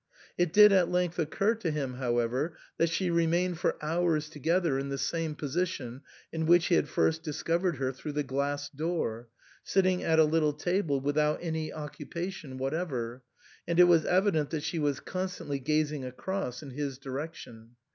It did at length occur to him, however, that she remained for hours together in the same position in which he had first discovered her through the glass door, sitting at a little table without any occupation whatever, and it was evident that she was constantly gazing across in his direction.